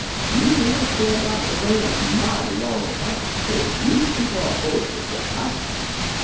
You'll hatter stan' out in de rain a mighty long time 'fo' you kin talk hoarse ez dat house!'